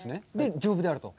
丈夫であると。